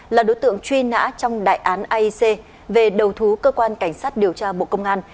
là đối tượng truy nã trong đại án aec về đầu thú cơ quan cảnh sát điều tra bộ công an